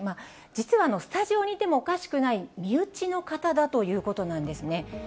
実はスタジオにいてもおかしくない、身内の方だということなんですね。